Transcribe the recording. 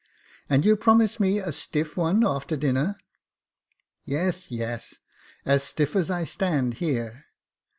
" And you promise me a stiffs one after dinner ?"*' Yes, yes, as stiff as I stand here."